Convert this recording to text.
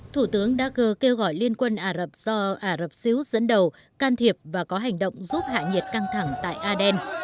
thủ tướng dagor kêu gọi liên quân ả rập do ả rập xíu dẫn đầu can thiệp và có hành động giúp hạ nhiệt căng thẳng tại aden